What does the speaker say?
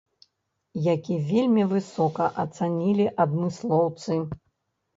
Які вельмі высока ацанілі адмыслоўцы.